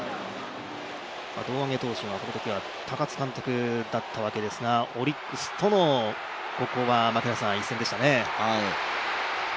胴上げ投手がこのときは高津監督だったわけですがオリックスとの一戦でしたね。